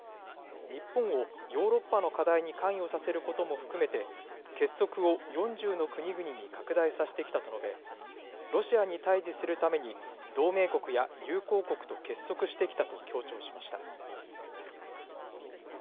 日本をヨーロッパの課題に関与させることも含めて結束を４０の国々に拡大させてきたと述べロシアに対じするために同盟国や友好国と結束してきたと強調しました。